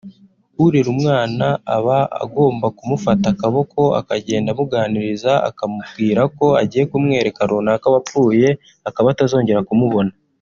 urera umwana aba agomba kumufata akaboko akagenda amuganiriza akamubwira ko agiye kumwereka runaka wapfuye akaba atazongera kumubona